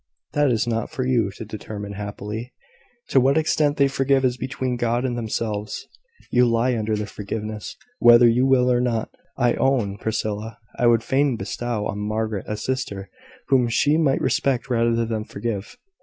"That is not for you to determine, happily. To what extent they forgive is between God and themselves. You lie under their forgiveness, whether you will or not. I own, Priscilla, I would fain bestow on Margaret a sister whom she might respect rather than forgive."